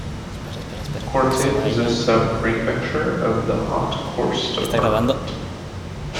Corte is a subprefecture of the Haute-Corse department.